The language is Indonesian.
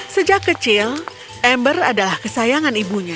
sejak kecil ember adalah kesayangan ibunya